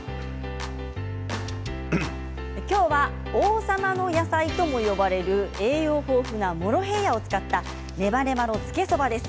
今日は王様の野菜とも呼ばれる栄養豊富なモロヘイヤを使ったネバネバのつけそばです。